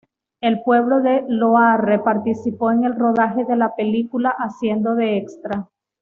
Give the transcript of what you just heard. El pueblo de Loarre participó en el rodaje de la película haciendo de extra.